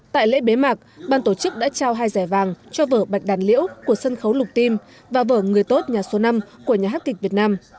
tại lễ bế mạc ban tổ chức đã trao hai giải vàng cho vở bạch đàn liễu của sân khấu lục tim và vở người tốt nhà số năm của nhà hát kịch việt nam